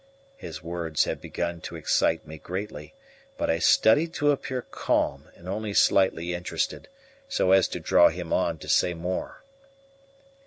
His words had begun to excite me greatly, but I studied to appear calm and only slightly interested, so as to draw him on to say more.